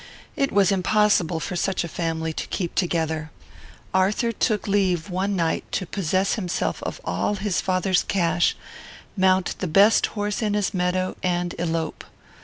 "It was impossible for such a family to keep together. Arthur took leave one night to possess himself of all his father's cash, mount the best horse in his meadow, and elope.